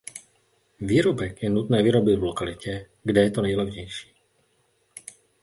Výrobek je nutné vyrobit v lokalitě, kde je to nejlevnější.